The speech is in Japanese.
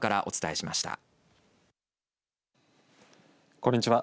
こんにちは。